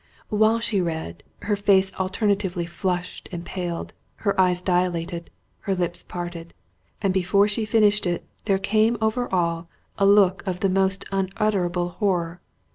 While she read, her face alternately flushed and paled, her eyes dilated, her lips parted; and before she finished it, there came over all a look of the most unutterable horror.